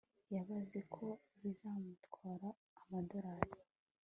Yabaze ko bizamutwara amadorari